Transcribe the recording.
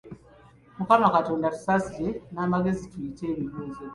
Mukama Katonda tusaasire n'amagezi tuyite ebibuuzo.